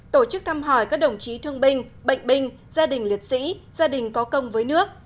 tổ chức thăm hỏi các đồng chí thương binh bệnh binh gia đình liệt sĩ gia đình có công với nước